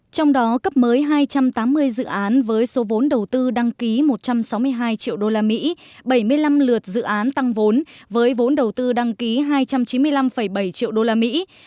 trong đó cấp mới hai trăm tám mươi dự án với số vốn đầu tư đăng ký một trăm sáu mươi hai triệu usd bảy mươi năm lượt dự án tăng vốn với vốn đầu tư đăng ký hai trăm chín mươi năm bảy triệu usd